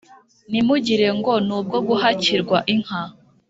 ntimugire ngo ni ubwo guhakirwa inka